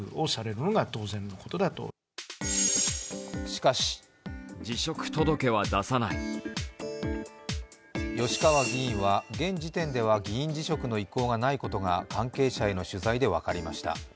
しかし吉川議員は現時点では議員辞職の意向がないことが関係者への取材で分かりました。